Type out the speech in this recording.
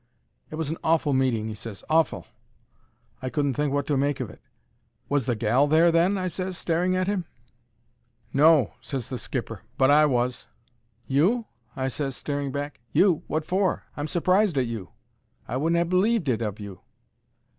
"It was an awful meeting!" he ses. "Awful!" I couldn't think wot to make of it. "Was the gal there, then?" I ses, staring at 'im. "No," ses the skipper; "but I was." "You?" I ses, starting back. "You! Wot for? I'm surprised at you! I wouldn't ha' believed it of you!"